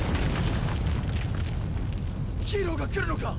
ヒーローが来るのか！？